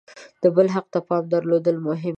د بل حق ته پام درلودل مهم دي.